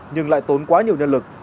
nhưng lại tốn quá nhiều nhân lực